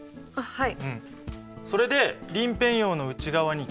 はい。